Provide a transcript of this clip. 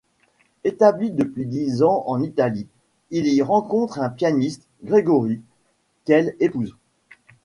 Établie depuis dix ans en Italie, elle y rencontre un pianiste, Gregory, qu'elle épouse.